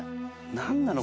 何なの？